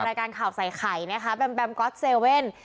จะมาราคาข่าวใส่ไข่แบ็มแบ็มกอตเซเว่น